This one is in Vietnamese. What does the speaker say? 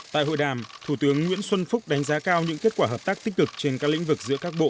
tại hội đàm thủ tướng nguyễn xuân phúc đánh giá cao những kết quả hợp tác tích cực trên các lĩnh vực giữa các bộ